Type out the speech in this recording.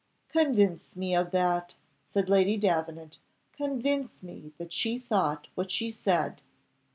"Convince me of that," said Lady Davenant; "convince me that she thought what she said.